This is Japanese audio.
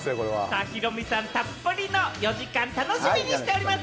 ヒロミさんたっぷりの４時間、楽しみにしております。